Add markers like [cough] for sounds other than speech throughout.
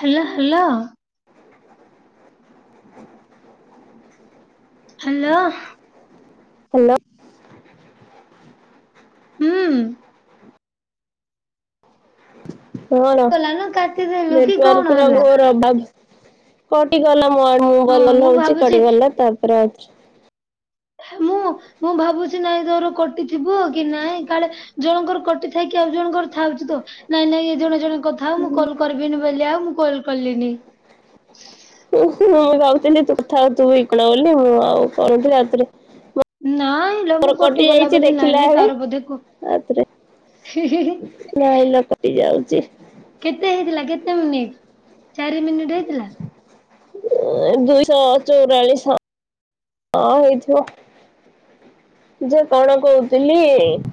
Hello hello. Hello. Hello. ହୁଁ। ହଁ ଗଲାନ କାଟିଦେଲୁ କି କଣ ନେଟାର୍କ ହେଲା? ର ବା କଟିଗଲା ମ ମୁଁ ହଁ ଭଲଲ ମୁଁ ହଉଛି ଭାବୁଛି କଟିଗଲା ତାପରେ ଆ ମୁଁ ମୁଁ ଭାବୁଛି ନାଇଁ ତୋର କଟି ଥିବ କି ନାଇଁ କାଳେ ଜଣଙ୍କର କଟି ଥାଇକି ଆଉ ଜଣଙ୍କର ଥାଉଛି ତ। ନାଇଁ ନାଇଁ ଏଇ ଜଣେ ଜଣ କଥାଉ ମୁଁ କଲ କରିବିନି ବୋଲି ଆଉ ମୁଁ କଲ କଲିନି। ମୁଁ ମୁଁ ଭାବଥିଲି ତୁ କଥା ତୁ ଭିକଣ ବୋଲି ମୁଁ ଆଉ କଣଥିଲି ରାତିରେ ନାଇଁ ଲୋ ମୁଁ ର କଟି କଟିଗଲା ଯାଇଛି ବୋଲି ନାଇଁ ଦେଖିଲା ନାଇଁ ବେଳେ ତାର ବୋଧେ କ ଆଉଥରେ। ହି ହି ହି ନହିଲା କଟି ଯାଉଛି। କେତେ ହେଇଥିଲା କେତେ ମିନିଟ ଚାରି ମିନିଟ ହେଇଥିଲା! ଦୁଇଶ ଚୋରଲି ସ ହଁ ହେଇଥିବ। ଯେ କଣ କହୁଥିଲି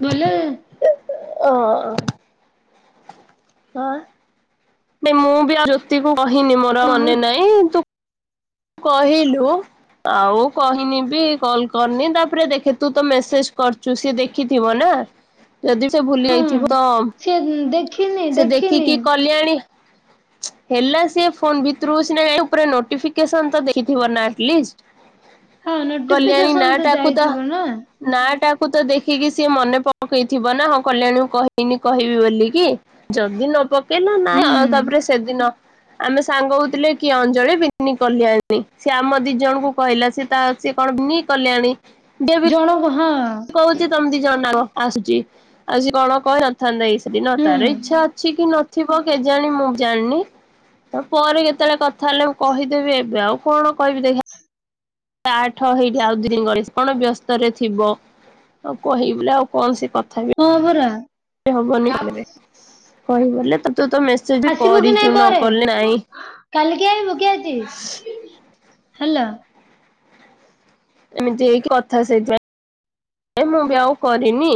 ଭଲେ ହଁ। ହଁ ମୁଁ ବି ଆଉ ଜ୍ୟୋତିକୁ କହିନି ମୋର କହୁ ମନେ ନାଇଁ ତୁ କହିଲୁ। ଆଉ କହିନି ବି କଲ୍ କରିନି ତାପରେ ଦେଖେ ତୁ ତ ମେସେଜ କରୁଛୁ ସିଏ ଦେଖ ଦେଖିଥିବ ନା ଯଦି ସେ ଭୁଲି ହଁ। ଯାଇଥିବ ତ ସିଏ ଦେଖିନି ସେ ଦେଖିନି ଦେଖିକି କଲ୍ୟାଣୀ ହେଲା ସିଏ ଫୋନ ଭିତରୁ ସିନା ଉପରେ ନୋଟିଫି କେଶନ ତ ଦେଖଥିବ ନା ଆଟଲିଷ୍ଟ। ହଁ କଲ୍ୟାଣୀ ନା ନୋଟିଫିକେସନ ତ ଟାକୁ ଯାଇଥିବ ନା? ନା ଟାକୁ ତ ଦେଖିକି ସିଏ ମନେ ପକେଇଥିବ ନା ହଁ କଲ୍ୟାଣୀ କହିନି କହିବି ବୋଲିକି? ଯଦି ନ ପକେଇଲା ନା ହୁଁ ଆଉ ତାପରେ ସେଦିନ ଆମେ ସାଙ୍ଗ ହଉଥିଲେ କି ଅଞ୍ଜଳି କଲଣୀ ସେ ଆମ ଦି ଜଣଙ୍କୁ କହିଲା ସ ତା ସ କଣି କଲ୍ୟାଣୀ ବି ଜଣ କ ହଁ। କହୁଛି ତମି ଦି ଜଣ ଆସୁଛି ଆଉ କଣ କହିଲନ୍ତି। ଥ ସେଦିନ ହୁଁ ତାର ଇଚ୍ଛା ଅଛି କି ନଥିବ କେଜାଣି ମୁଁ ଜାଣିନି। ତା ପରେ କେତେବେଳେ କଥା ହେଲେ ମୁଁ କହିଦେବି ଏବେ ଆଉ କଣ କହିବି ଦେଖା ଆଠ ହେଇଲା ଆଉ ଦୁନି ଗଣେଶ କଣ ବ୍ୟସ୍ତ ରେ ଥିବ। ଆଉ କହିବ ବୋଲି ଆଉ କଣ ସେ କଥା ବି ହଁ ଭରା ହବନି କହିଲେ। କହିବଲେ ତୁ ତ ମେସେଜ କରିଚୁ ନ କଲେ ନାଇଁ। କାଲି କି ଆଇବ କିି ଆଜି? ହାଲୋ। ଏମିତି ହେଇ କଥା ସେଇଥିପାଇଁ। ଏ ମୁଁ ବି ଆଉ କରିନି।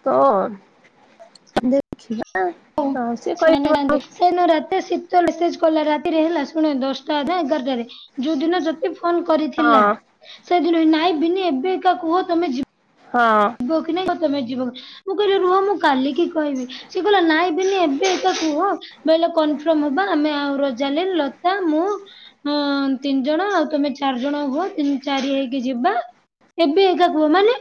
[unintelligible] ଦେ [unintelligible] [unintelligible] ସେ ଦିନ ରାତିରେ ଶୀତଲ୍ ମେସେଜ୍ କଲା ରାତିରେ ହେଲା, ଶୁଣ ଦଶଟା ନା ଏଗାରଟାରେ ଯୋଉ ଦିନ ଯଦି ଫୋନ୍ କରିଥିଲା। ହଁ ସେଦିନ ନାଇଁ ବିିନି ଏବେ ଏକା କୁହ ତମେ ଯି ହଁ। ଯିବ କି ନାଇଁ, ତମେ ଯିବ। ମୁଁ କହିଲି ରୁହ ମୁଁ କାଲିକି କହିବି। ସିଏ କହିଲା ନାଇଁ ବିିନି ଏବେ ତ କୁହ। କହିଲେ କନଫର୍ମ ହବା ଆମେ ଆଉ ରୋଜାଲିନ୍, ଲତା ମୁଁ ହଁ ତିନି ଜଣ ଆଉ ତମେ ଚାରି ଜଣ ହୁଅ ତିନି ଚାରି ହେଇକି ଯିବା। ଏବେ ଏକା କୁହ ମାନେ।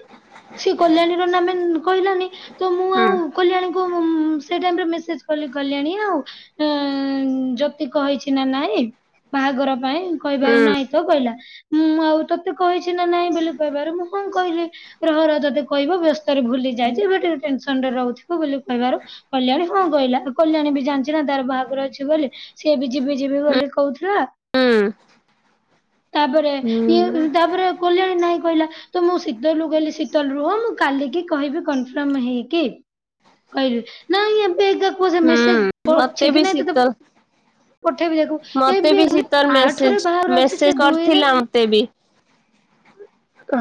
ସେ କଲ୍ୟାଣୀ ର ନା ମେନ୍ କହିଲାନି ତ ମୁଁ ଆଉ [inaudible] କଲ୍ୟାଣୀକୁ ସେ ଟାଇମରେ ମେସେଜ୍ କଲି କଲ୍ୟାଣୀ ଆଉ ଏ ଜୋତି କହିଛି ନା ନାଇଁ ବାହାଘର ପାଇଁ? କହିବାରୁ ହୁଁ ନାଇଁ ତ କହିଲା। ମୁଁ ଆଉ ତତେ କହିଛି ନା ନାଇଁ ବୋଲି କହିବାରୁ ମୁଁ ହଁ କହିଲି। ରହରହ ତତେ କହିବ ବ୍ୟସ୍ତରେ ଭୁଲି ଯାଇଚି ଏବେ ଟିକେ ଟେନସନ୍ ରେ ରହୁଥିବ ବୋଲି କହିବାରୁ କଲ୍ୟାଣୀ ହଁ କହିଲା। କଲ୍ୟାଣୀ ବି ଜାଣିଚି ନା ତାର ବାହାଘର ଅଛି ବୋଲି। ସେ ବି ଯିବି ଯିବି ହୁଁ ବୋଲି କହୁଥିଲା [inaudible] ତାପରେ ଇଏ ହୁଁ ତାପରେ କଲ୍ୟାଣୀ ନାହିଁ କହିଲା। ତ ମୁଁ ଶୀତଲ୍ କୁ କହିଲି ଶୀ ଶୀତଲ୍ ରୁହ ମୁଁ କାଲିକି କହିବି କନଫର୍ମ ହେଇକି। କହିଲି। ନାଇଁ ଏବେ ଏକା କୁହ ସେ ମେସେଜ୍ ହୁଁ ମତେ ବି ଶୀତଲ୍ ପଠେଇବି ଦେଖିବୁ ମତେ ଏବେ ବି ଶୀତଲ୍ ଆଠରେ ମେସେଜ୍ ବାହାଘର ଅଛି ସେ ମେସେଜ୍ ଦୁଇରେ କରିଥିଲା ମତେ ବି।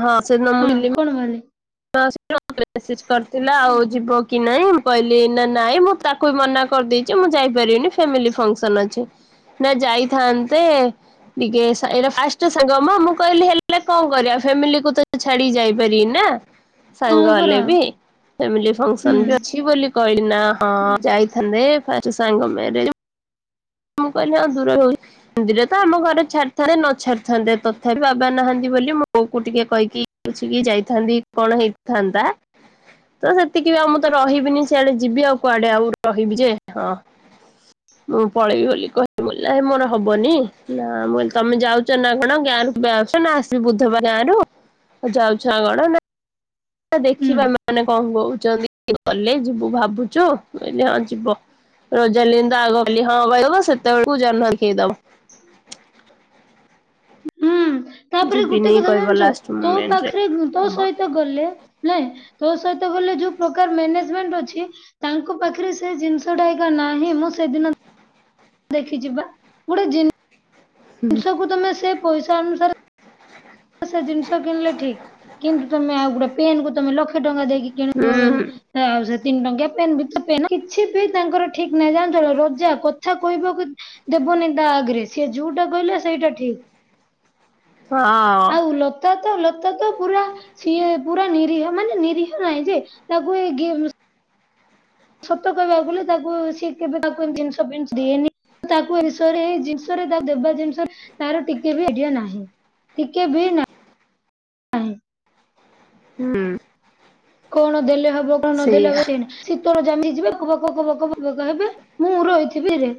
ହଁ ସେ। [unintelligible] [unintelligible] [unintelligible] ମେସେଜ୍ କରିଥିଲା ଆଉ ଯିବ କି ନାଇଁ ମୁଁ କହିଲି ନା ନାଇଁ ମୁଁ ତା କୁ ବି ମନା କରିଦେଇଚି ମୁଁ ଯାଇପାରିବିନି ଫାମିଲି ଫଙ୍କସନ୍ ଅଛି। ନା ଯାଇଥାନ୍ତେ ଟିକେ ସା ଏଇଟା ଫାଷ୍ଟ ସାଙ୍ଗ ମ। ମୁଁ କହିଲି ହେଲେ କଣ କରିବା ଫ୍ୟାମିଲିକୁ ତ ଛାଡିକି ଯାଇପାରିବିନି ନା। ହଁ ସାଙ୍ଗ ହେଲେ ପରା ବି। ଫାମିଲି ହୁଁ ଫଙ୍କସନ୍ ବି ଅଛି ବୋଲି। କହିଲି ନା ହଁ ଯାଇଥାନ୍ତେ ଫାଷ୍ଟ ସାଙ୍ଗ ମ୍ୟାରେଜ୍ ମୁଁ କହିଲି ହଁ ଦୂର। [unintelligible] ଏନ୍ତି ରେ ତ ଆମ ଘର ଛାଡିଥାନ୍ତେ ନ ଛାଡିଥାନ୍ତେ ତଥାପି ବାବା ନାହାନ୍ତି ବୋଲି ମୁଁ ବୋଉ ଟିକେ କହିକି ପଛିିକି ଯାଇଥାନ୍ତି କଣ ହେଇଥାନ୍ତା। ତ ସେତିକି ବି ଆଉ ମୁଁ ତ ରହିବିନି ସେଆଡେ ଯିବି ଆଉ କୁଆଡେ ଆଉ ରହିବି ଯେ ହଁ। ମୁଁ ପଳେଇବି ବୋଲି କହିଲି ମୁଁ କହିଲି ନାଇଁ ମୋର ହବନି। ନା ମୁଁ କହିଲି ତମେ ଯାଉଚ ନା କଣ। [unintelligible] ସେ ବୁଧବା ଗାଁ ରୁ ଆ ଯାଉଚ ନା କଣ ନା ହୁଁ ଦେଖିବା ଏମାନେ କଣ ହଉଛନ୍ତି ଗଲେ ଯିବୁ ଭାବୁଚୁ କହିଲି ହଁ ଯିବ ରୋଜାଲିନ୍ ତ ଆଗ ହଁ କହିଦବ ସେତେବେଳକୁ ଜହ୍ନ ଦେଖେଇଦବ। ହୁଁ ତାପରେ ଗୋଟେ ଯିବିନି କଥା କହିବ ଜାଣିଚୁ ଲାଷ୍ଟ ତୋ ମୁମେଣ୍ଟରେ ପାଖରେ ତୋ ଆମ ସହିତ ଗଲେ ଲେ ତୋ ସହିତ ଗଲେ ଯୋଉ ପ୍ରକାର ମ୍ୟାନେଜମେଣ୍ଟ ଅଛି ତାଙ୍କ ପାଖରେ ସେ ଜିନିଷଟା ଏକା ନାହିଁ। ମୁଁ ସେଦିନ ଦେଖିଚି ବା। ଗୋଟେ ଜିନ୍ ହୁଁ ଜିନିଷକୁ ତମେ ସେ ପଇସା ଅନୁସାରେ ସେ ଜିନିଷ କିଣିଲେ ଠିକ୍। କିନ୍ତୁ ତମେ ଆଉ ଗୋଟେ ପେନ୍ କୁ ତମେ ଲକ୍ଷେ ଟଙ୍କା ଦେଇକି କିଣିବ ବଲେ ହୁଁ ତ ଆଉ ସେ ତିନି ଟଙ୍କିଆ ପେନ୍ ବି ତ ପେନ୍ ନା। କିଛି ବି ତାଙ୍କର ଠିକ୍ ନାହିଁ। ଜାଣିଚ ନା ରୋଜା କଥା କହିବ ଦେବନି ତା ଆଗରେ। ସିଏ ଯୋଉଟା କହିଲା ସେଇଟା ଠିକ୍। ହଁ ଲତା ତ ଲତା ତ ପୁରା ସିଏ ପୁରା ନିରୀହ ମାନେ ନିରୀହ ନହିଁ ଯେ ତାକୁ ଏ ଗେମ୍ ସତ କହିବାକୁ ଗଲେ ତାକୁ ସିଏ କେବେ ତାକୁତି ଜିନିଷ ଫିନିଷ ଦିଏନି ତାକୁ ଏଷରେ ଜିନିଷରେ ତା ଦେବା ଜିନିଷରେ ତାର ଟିକେ ବି ଆଡିଆ ନାହିଁ। ଟିକେ ବି ନା ନାହିଁ ହୁଁ କଣ ଦେଲେ ହବ କଣ ନଦେଲେ ସେଇଆ ହବ ସେଇଁ ନା ଶୀତର ଜାମି ଯିବେ ବକ ବକ ବକ ହେବେ ମୁଁ ରହିଥିବି ରେ।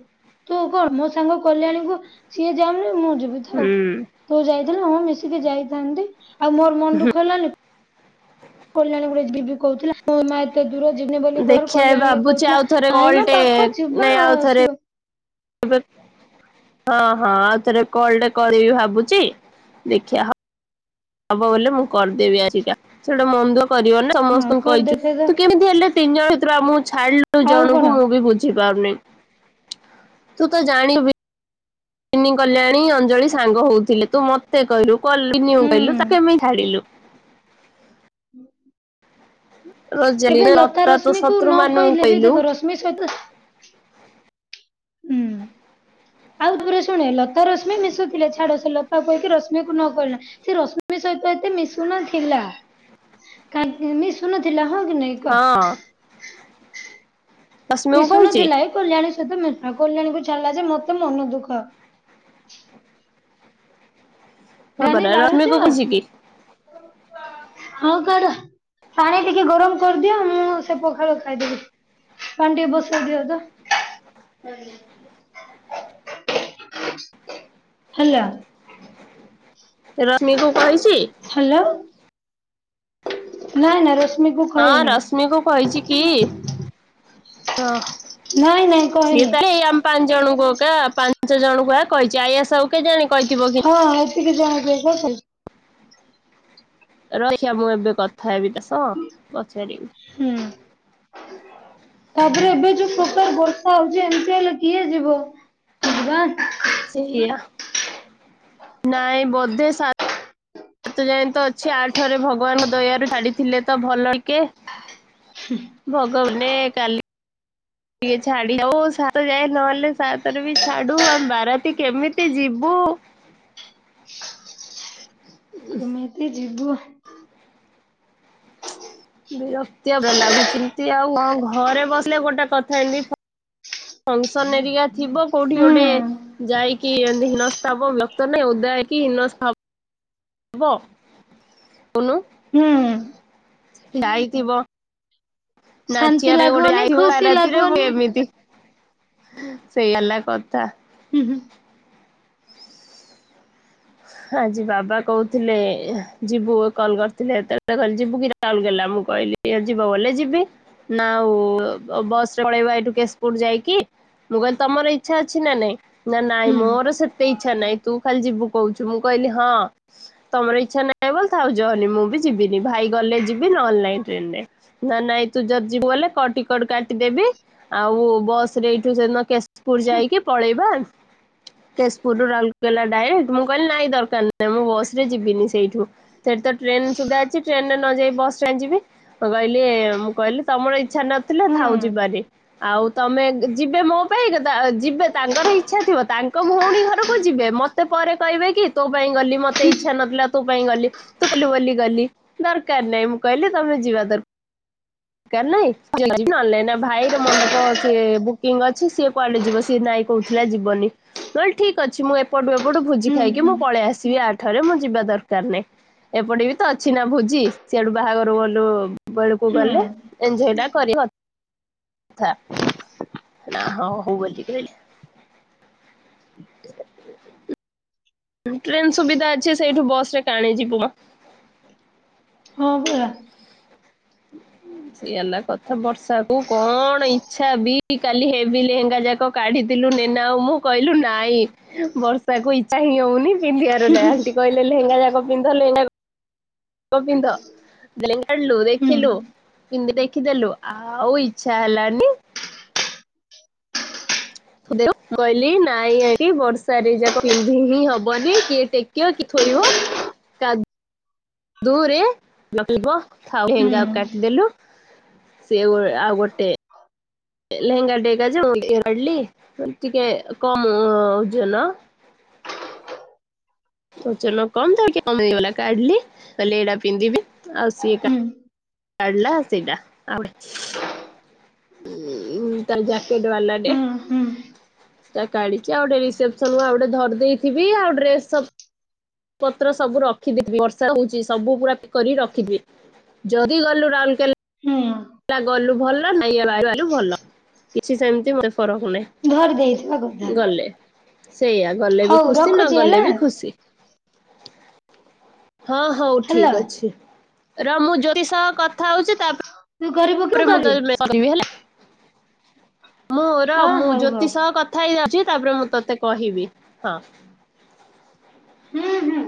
ତୁ କଣ ମୋ ସାଙ୍ଗ କଲ୍ୟାଣୀକୁ ସିଏ ଯାାଉନି ମୁଁ ଯିବି ଥାଉ। ହୁଁ ତୁ ଯାଇଥିଲୁ ହଁ ମିଶିକି ଯାଇଥାନ୍ତି ଆଉ ମୋର ମନ ଦୁଃଖ ହେଲାନି କଲ୍ୟାଣୀ ଗୁଡେ ଯିବି ବି କହୁଥିଲା। ମୋ ମା ଏତେ ଦୂର ଯିବିନି ବୋଲିରୁ ଦେଖିଆ ଏ କଲ୍ୟାଣୀ ଭାବୁଛି କହୁଥିଲା ଆଉ ଥରେ ନାଇ କଲ୍ ମାପଖ ଟେ ପାଖ ଯିବା ନାଇଁ ଆଉ ଥରେ ଆସିବା। ହଁ ହଁ ଆଉ ଥରେ କଲ ଟା କରିବି ଭାବୁଛି ଦେଖିବା ହ ହବ ବଲେ ମୁଁ କରିଦେବି ଆଜିିକା ସେଇଟା ମନ୍ଦ କରିବ ନା ସମସ୍ତଙ୍କୁ ଭାଙ୍କର କହିଛୁ ଦେଖେଇଦ ତୁ କେମିତି ହେଲେ ତିନି ଜଣ ଭିତରୁ ଆଉ ମୁ ଛାଡିଲୁ ଦୁ ଆଉ କଣ ଜଣଙ୍କୁ ମୁଁ ବି ବୁଝି ପାରୁନି। ତୁ ତ ଜାଣି ବି ତିନି କଲ୍ୟାଣୀ ଅଞ୍ଜଳି ସାଙ୍ଗ ହଉଥିଲେ ତୁ ମତେ କହିଲୁ କଲ୍ୟାଣୀ ହୁଁ କହିଲୁ ତାକୁ ଏ ମି ଛାଡ଼ିଲୁ ଏବେ ରୋଜାଲିନା ଲତା ତୋ ରଶ୍ମିକୁ ଶତ୍ରୁ ନ ମାନଙ୍କୁ କହିଲେ ବି କହିଲୁ ଦେଖ ରଶ୍ମି ସିମ୍ ସହିତ ହୁଁ [inaudible] ଆଉ ଥରେ ଶୁଣେ ଲତା ରଶ୍ମି ମିଶୁ ଥିଲେ ଛାଡ ସେ ଲତା କହିକି ରଶ୍ମିକୁ ନ କହିଲା ସେ ରଶ୍ମି ସହିତ ଏତେ ମିଶୁନ ଥିଲା କା ମି ଶୁନଥିଲା ହଁ କି ନାଇଁ କହ ହଁ ରଶ୍ମିକୁ କହିଛି ମିଶୁନଥିଲା ଏଇ କଲ୍ୟାଣୀ ସହିତ ମିଶୁ କଲ୍ୟାଣୀକୁ ଛାଡ଼ିଲା ଯେ ମତେ ମନ ଦୁଃଖ। ରାନୀ ହବନା ରଶ୍ମି କୁ ବାହାରୁଛ? କହିଛି କି? ହଁ କର ପାଣି ଟିକେ ଗରମ କରିଦିଅ ମୁଁ ସେ ପଖାଳ ଖାଇଦେବି। ପାଣି ଟିକେ ବସ ଦିଅ ତ, [inaudible] ହେଲା ରସ୍ମି କୁ କହିଛି ହ୍ୟାଲୋ ନାଇଁ ନା ରୋଷ ହଁ ରଶ୍ମିକୁୁ କହିଛି କି ହ ନାଇଁ ନାଇଁ ସିଏ କହିନି ତ ହେ ଆମ ପାଞ୍ଚ ଜଣଙ୍କୁ ଏକ ପାଞ୍ଚ ଜଣଙ୍କୁଆ କହିଛି ଆଇଆ ସାଉ କେ ଜାଣି କହିଥିବ କି, ହଁ ଆଇ ଥିଲି ଜାହାବି ଭଲ ରଇସିଆ ମୁଁ ଏବେ କଥା ହେବି ତାସଅ ପଚାରିବି ହୁଁ ତାପରେ ଏବେ ଯୋଉ ପ୍ରକାରବର୍ ଶାଆ ହଉଛି ଏମିତି ହେଲେ କିଏ ଯିବ ବଝିବା ସେଇଆ ନାଇଁ ବୋଧେ ସା ସାତ ଯାଏଁ ତ ଅଛି ଆଠ ରେ ଭଗବାନଙ୍କ ଦୟାରୁ ଛାଡିଥିଲେ ତ ଭଲ ଇ କେ ଛି ଇ ଭଗବାନେ କାଲି ଟିକେ ଛାଡି ହଉ ସାତ ଯାଏ ନହେଲେ ସାତରେ ବି ଛାଡୁ ଆମେ ବାରାଆ ଟି କେମିତି ଯିବୁ। [inaudible] କେମିତି ଯିବୁ? ବିରକ୍ତି ଆ ଲାଗୁଛି ଏମିତି ଆଉ ଘରେ ବସିଲେ ଗୋଟେ କଥା ଏମିତି ଫଙ୍କସନ ହେରିକା ଥିବ କୋଉଠି ହୁଁ ଗୋଟେ ଯାଇକି ଏମିତି ହିନସ୍ଥା ହବ। ନକଲେ ଓଦା ହେଇକି ହୀନସ୍ଥା ହ ବ କୋହୁନ ହୁଁ। ଯାଇଥିବ ଶାନ୍ତି ନାଚିବା ପାଇଁ ଗୋଟେ ଲାଗିବନି ଯାଇଥିବ ଖୁସି ରାତିରେ ଲାଗିବନି ଏମିତି ସେଇଆ ହେଲା କଥା। ହୁଁ ହୁଁ। ଆଜି ବାବା କୋହୁଥିଲେ ଯିବୁ କଲ କରିଥିଲେ ହେତେବେଳେ କହିଲେ ଯିବୁ କି ରାଉଲକେଲା ମୁଁ କହିଲି ଏ ଯିବ ବୋଇଲେ ଯିବି। ନାଁ ଆଉ ବସ୍ ରେ ପଳେଇବା ଏଇଠୁ କେଶପୁର ଯାଇକି। ମୁଁ କହିଲି ତମର ଇଚ୍ଛା ଅଛି ନା ନାଇଁ? ନା ନାଇଁ ହୁଁ ମୋର ସେତେ ଇଚ୍ଛା ନାଇଁ ତୁ ଖାଲି ଯିବୁ କୋହୁଚୁ। ମୁଁ କହିଲି ହଁ। ତମର ଇଚ୍ଛା ନାହିଁ ବୋଲି ଥାଉ ଯ‌ଅନି ମୁଁ ବି ଯିବିନି ଭାଇ ଗଲେ ଯିବି ନହେଲେ ନାଇଁ ଟ୍ରେନରେ ନା ନାଇଁ ତୁ ଯଦି ଯିବୁ ବୋଲେ କ ଟିକଟ କା ଟି ଦେବି ଆଉ ବସ୍ ରେ ଏଇଠୁ ସେଦିନ କେଶପୁର ଯାଇକି ପଳେଇବା। କେଶପୁର ରୁ ରାଉରକେଲା ଡାଇରେକ୍ଟ। ମୁଁ କହିଲି ନାଇଁ ଦରକାର ନାହିଁ ମୁଁ ବସ୍ ରେ ଯିବିନି। ସେଇଠୁ ସେଠିତ ଟ୍ରେନ ସୁବିଧା ଅଛି ଟ୍ରେନରେ ନଯାଇ ବସ୍ ରେ କାଇଁ ଯିବି। କହିଲେ ମୁଁ କହିଲି ତମର ଇଚ୍ଛା ନଥିଲେ ହୁଁ ଥାଉ ଯିବାନି। ଆଉ ତମେ ଯିବେ ମୋ ପାଇଁ ଯିବେ ତାଙ୍କର ଇଚ୍ଛା ଥିବ ତା ଙ୍କ ଭୋଉଣୀ ଘରକୁ ଯିବେ ମତେ ପରେ କହିବେ କି ତୋ ପାଇଁ ଗଲି ମତେ ଇଚ୍ଛା ନଥିଲା ତୋ ପାଇଁ ଗଲି ତୁ କହିଲୁ ବୋଲି ଗଲି ଦରକାର ନାଇ। ମୁଁ କହିଲି ତମେ ଯିବା ଦର କାର ନାଇଁ ଯଦି ଯିବି ନହେଲେ ନାଇଁ। ନା ଭାଇର ମଣ୍ଡପ ସିଏ ବୁକିଂ ଅଛି। ସିଏ କୁଆଡେ ଯିବ ସିଏ ନା କୋହୁଥିଲା ଜିବନି। ନହେଲେ ଠିକ୍ ଅଛି ମୁଁ ଏପଟୁ ଏପଟୁ ଭୋଜି ହୁଁ ଖାଇକି ହୁଁ ହୁଁ ମୁଁ ପଳେଇ ଆସିବି ଆ ଜଠାରୁ ମୁଁ ଯିବା ଦରକାର ନାଇଁ ଏପଟେ ବି ତ ଅଛି ନା ଭୋଜି। ସିଆଡୁ ବାହାଘର ଗଲୁ ସେତେବେଳକୁ ହୁଁ ଗଲେ ଏଞଜୟ ଟା କରିହୁଅ ନ୍ତା ନା ହୋଉ ହୋଉ ବୋଲିକି ଟ୍ରେନ ସୁବିଧା ଅଛି। ସେଇଠୁ ବସ୍ ରେ କାଣି ଯିବୁମ। ହଁ ପା। ହୁଁ ସେଇଆ ହେଲା କଥା ବର୍ଷା କୁ କଣ ଇଚ୍ଛା ବି କାଲି ହେବି ଲେହେଙ୍ଗା ଯାକ କାଢିଥିଲୁ ନେନା ଆଉ ମୁଁ କହିଲୁ ନାଇଁ ବର୍ଷାକୁ ଇଚ୍ଛା ହିଁ ହୋଉନି। ପିନ୍ଧିବାର ନା ଆଣ୍ଟି କହିଲେ ଲେହେଙ୍ଗା ପିନ୍ଧ ଲେହେଙ୍ଗା ପିନ୍ଧ [unintelligible] ଦେଖିଲୁ ଦେଖିଲୁ ହୁଁ ପିନ୍ଧି ଦେଇକି ଦେଲୁ ଆଉ ଇଚ୍ଛା ହେଲାନି। [unintelligible] କହିଲି ନାଇଁ ଆଣ୍ଟି ବର୍ଷାରେ [unintelligible] ପିନ୍ଧି ହିଁ ହବନି କିଏ ଟେକିବ କି ଥୋଇବ। କାଦୁଅରେ [unintelligible] ଲେହେଙ୍ଗା ହୁଁ କୁ କାଟିଦେଲୁ। ସିଏ ଗୋଟେ ଆଉ ଗୋଟେ ଲେହେଙ୍ଗା [unintelligible] ଟିକେ କମ ଓଜନ। ଓଜନ କମ୍ ତାପରେ ଟାକେ କମିଗଲା କାଢିଲି କହିଲ ଏଟା ପିନ୍ଧିବି ଆଉ ସିଏ କା ହୁଁ ଢିଲା ସେଇଟା ଆଉ ଗୋଟେ। ଉଁ ତାର ଜ୍ୟାକେଟ ବାଲାଟେ। ହୁଁ ହୁଁ ତାର କାଢିଚି। ଆଉ ଗୋଟେ ରସେପସନ ଆଉ ଗୋଟେ ଧରି ଦେଇଥିବି ଆଉ ଡ୍ରେସ ସବୁ ପତ୍ର ସବୁ ରଖି ଦେଇଥିବି। ବର୍ଷା ହୋଉଚି ସବୁ ପୁରା ପୁରି କରି ରଖିଦିଏ। ଯଦି ଗଲୁ ରାଉଲକେଲା ହୁଁ। ଗଲୁ ଭଲ [unintelligible] ଭଲ କିଛି ସେମିତି ଫରକ ନାହିଁ। ଭରି ଦେଇଥିବା କଥା। ଗଲେ ସେଇଆ ଗଲେ ବି ହଉ ଖୁସି ନ ରଖୁଛି ହେଲା ଗଲେ ବି ଖୁସି। ହଁ ହୋଉ ହ୍ୟାଲୋ ଠିକ୍ ଅଛି। ରହ ମୁଁ ଜ୍ୟୋତି ସହ କଥା ହୋଉଚି ତାପ ତୁ କରିବୁ ତା କି ପରେ ମୁଁ କରିବି ତୋତେ [inaudible] ହେଲା। ମୋର ହଁ ମୁଁ ହଉ ହଉ ଜ୍ୟୋତି ସହ କଥା ହେଇଯାଉଚି, ତାପରେ ମୁଁ ତୋତେ କହିବି। ହଁ। ହୁଁ, ହୁଁ।